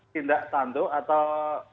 tindak tanduk atau